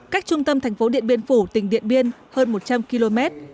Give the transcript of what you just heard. cách trung tâm thành phố điện biên phủ tỉnh điện biên hơn một trăm linh km